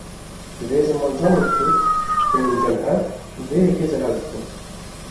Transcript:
Divê zimanzanên kurd, bên cem hev û vê yekê zelal bikin